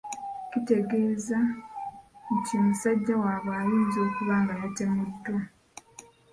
Kitegeeeza nti musajja waabwe ayinza okuba nga yatemuddwa.